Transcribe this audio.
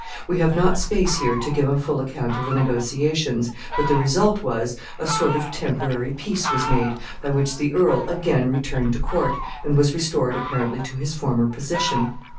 We have not space here to give a full account of the negotiations; but the result was, a sort of temporary peace was made, by which the earl again returned to court, and was restored apparently to his former position.